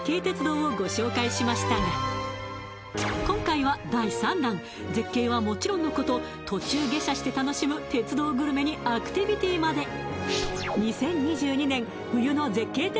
鉄道をご紹介しましたが今回は第三弾絶景はもちろんのこと途中下車して楽しむ鉄道グルメにアクティビティまで２０２２年冬の絶景